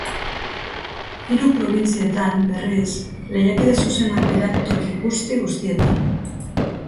Hiru probintzietan, berriz, lehiakide zuzenak dira toki guzti-guztietan.